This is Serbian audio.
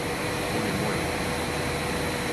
Он је мој!